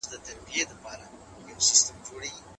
د هېواد د صنعتي کيدلو بهیر ودرېد.